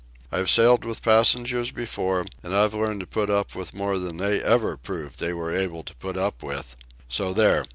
I've sailed with passengers before, and I've learned to put up with more than they ever proved they were able to put up with. So there.